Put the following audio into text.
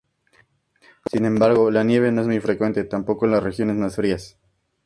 Sin embargo, la nieve no es muy frecuente, tampoco en las regiones mas frías.